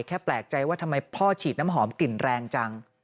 แปลกใจว่าทำไมพ่อฉีดน้ำหอมกลิ่นแรงจัง